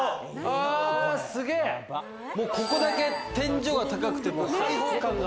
もうここだけ天井高くて開放感が。